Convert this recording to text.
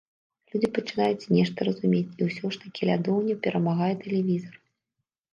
Людзі пачынаюць нешта разумець, і ўсё ж такі лядоўня перамагае тэлевізар.